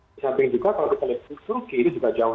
di samping juga kalau kita lihat turki ini juga jauh